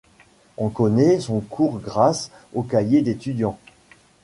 On connaît son cours grâce aux cahiers d'étudiants.